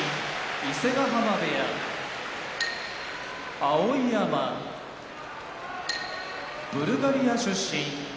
伊勢ヶ濱部屋碧山ブルガリア出身春日野部屋